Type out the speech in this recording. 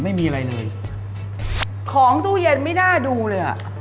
ของจากตู้เย็นถ้าไม่ดูเลย